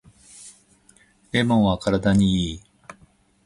レモンは体にいい